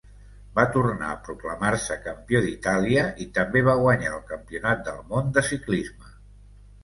Va tornar a proclamar-se campió d'Itàlia i també va guanyar el Campionat del món de ciclisme.